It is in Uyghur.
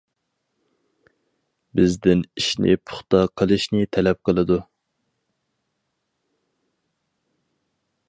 بىزدىن ئىشنى پۇختا قىلىشنى تەلەپ قىلىدۇ.